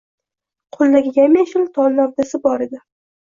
Qo‘lidagi yam-yashil tol novdasi bore di.